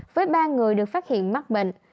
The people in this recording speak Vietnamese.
với ba người được phát hiện mắc bệnh